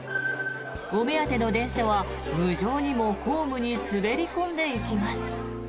お目当ての電車は無情にもホームに滑り込んでいきます。